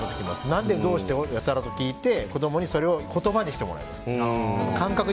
何でどうしてをやたらと聞いて子供に言葉にしてもらいます。